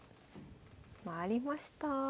回りました。